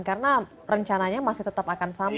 karena rencananya masih tetap akan sama begitu